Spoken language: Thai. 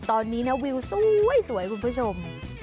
ตอนนี้นะวิวสวยคุณผู้ชม